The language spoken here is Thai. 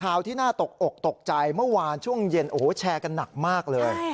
ที่น่าตกอกตกใจเมื่อวานช่วงเย็นโอ้โหแชร์กันหนักมากเลย